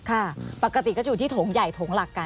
ปกติก็จะอยู่ที่โถงใหญ่โถงหลักกัน